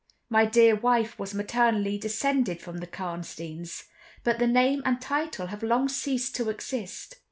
My dear wife was maternally descended from the Karnsteins. But the name and title have long ceased to exist.